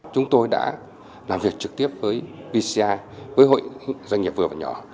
chúng tôi đã làm việc trực tiếp với vci với hội doanh nghiệp vừa và nhỏ